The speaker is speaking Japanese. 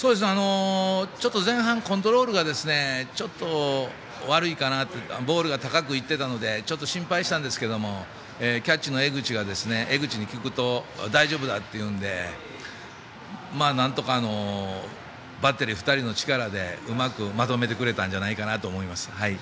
前半、コントロールがちょっと悪いかなというかボールが高くいってたので心配したんですけどもキャッチャーの江口に聞くと大丈夫だと言うんでなんとかバッテリー２人の力でうまくまとめてくれたんじゃないかなと思います。